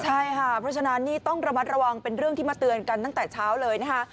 ใช่ค่ะเพราะฉะนั้นนี่ต้องระมัดระวังเป็นเรื่องที่มาเตือนกันตั้งแต่เช้าเลยนะคะ